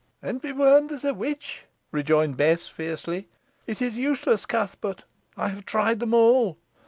"And be burned as a witch," rejoined Bess, fiercely. "It is useless, Cuthbert; I have tried them all.